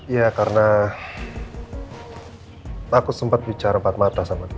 ya karena aku sempat bicara empat mata sama dia